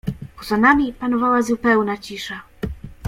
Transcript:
"Poza nami panowała zupełna cisza."